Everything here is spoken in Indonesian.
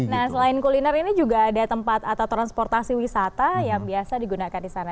nah selain kuliner ini juga ada tempat atau transportasi wisata yang biasa digunakan di sana